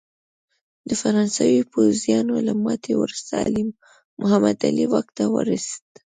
د فرانسوي پوځیانو له ماتې وروسته محمد علي واک ته ورسېد.